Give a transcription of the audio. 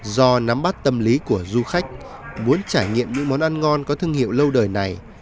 do nắm bắt tâm lý của du khách muốn trải nghiệm những món ăn ngon có thương hiệu lâu đời này